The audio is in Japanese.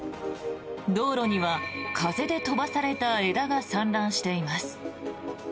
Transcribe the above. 道路には風で飛ばされた枝が散乱しています。